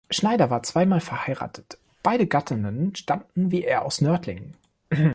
Schneider war zweimal verheiratet, beide Gattinnen stammten wie er aus Nördlingen.